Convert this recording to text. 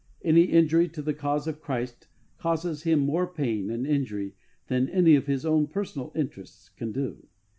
Any injury to the cause of Christ causes him more pain and injury than any of his own personal interests can do.